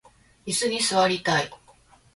いすに座りたい